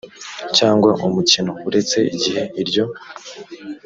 cyangwa umukino uretse igihe iryo